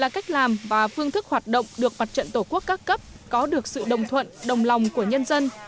cách làm và phương thức hoạt động được mặt trận tổ quốc các cấp có được sự đồng thuận đồng lòng của nhân dân